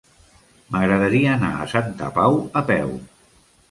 M'agradaria anar a Santa Pau a peu.